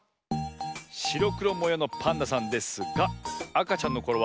しろくろもようのパンダさんですがあかちゃんのころ